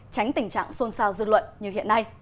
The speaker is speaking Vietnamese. tránh tình trạng xôn xao dư luận như hiện nay